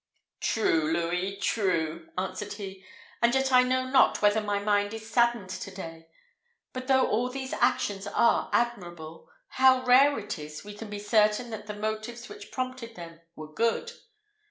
"True, Louis! true!" answered he; "and yet I know not whether my mind is saddened to day; but though all these actions are admirable, how rare it is we can be certain that the motives which prompted them were good!